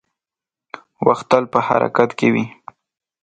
• وخت تل په حرکت کې وي.